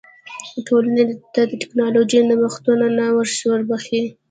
ټولنې ته ټکنالوژیکي نوښتونه نه وربښي.